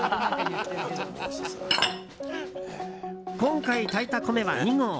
今回炊いた米は２合。